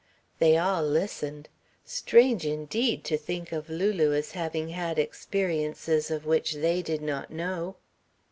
They all listened. Strange indeed to think of Lulu as having had experiences of which they did not know.